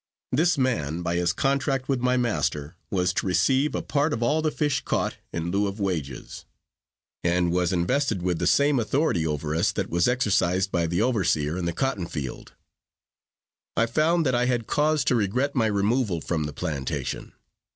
This man, by his contract with my master, was to receive a part of all the fish caught, in lieu of wages; and was invested with the same authority over us that was exercised by the overseer in the cotton field. I soon found that I had cause to regret my removal from the plantation.